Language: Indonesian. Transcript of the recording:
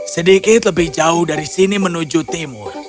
sedikit lebih jauh dari sini menuju timur